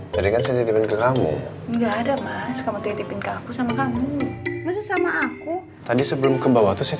sebenernya something i love you rena